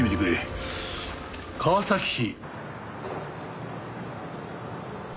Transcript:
川崎市。